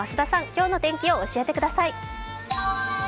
今日の天気を教えてください。